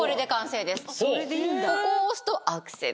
ここを押すとアクセル